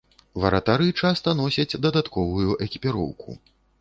Варатары часта носяць дадатковую экіпіроўку.